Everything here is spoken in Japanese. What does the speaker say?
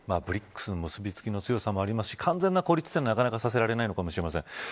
ＢＲＩＣｓの結び付きの強さもありますし完全な孤立はなかなかさせられないのかもしれません。